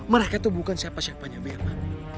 mereka tuh bukan siapa siapanya bella